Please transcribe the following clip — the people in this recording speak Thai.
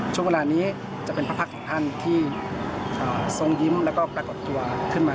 ช่วงเวลานี้จะเป็นพระพักษ์ของท่านที่ทรงยิ้มแล้วก็ปรากฏตัวขึ้นมา